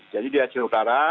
jadi di aceh utara